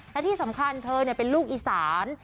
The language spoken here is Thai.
และที่สำคัญเธอเป็นลูกอีสาน